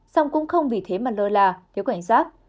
xong cũng không vì thế mà lơ là thiếu cảnh giác